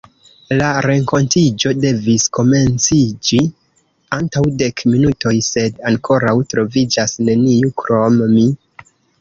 La renkontiĝo devis komenciĝi antaŭ dek minutoj, sed ankoraŭ troviĝas neniu krom mi.